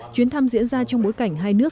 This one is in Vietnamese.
chuyến thăm diễn ra trong bối cảnh hai nước